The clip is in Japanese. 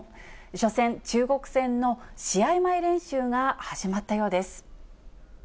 初戦、中国戦の試合前練習が始まったようです。